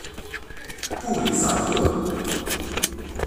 布里萨克。